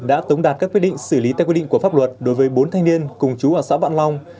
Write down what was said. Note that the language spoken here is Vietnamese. đã tống đạt các quyết định xử lý theo quy định của pháp luật đối với bốn thanh niên cùng chú ở xã vạn long